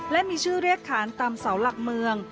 และมีชื่อเรียกขานตามเสาหลักเมือง